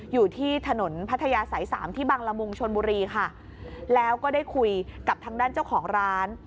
อยู่ที่ถนนพัทยาสายสามที่บังละมุงชนบุรีค่ะแล้วก็ได้คุยกับทางด้านเจ้าของร้าน